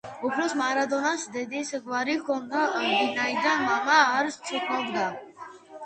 უფროს მარადონას დედის გვარი ჰქონდა, ვინაიდან მამა არ სცნობდა.